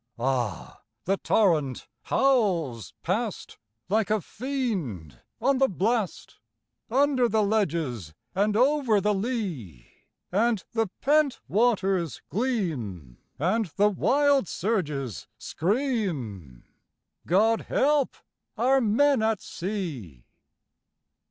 Ah! the torrent howls past, like a fiend on the blast, Under the ledges and over the lea; And the pent waters gleam, and the wild surges scream God help our men at sea!